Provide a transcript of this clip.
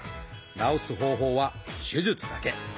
治す方法は手術だけ。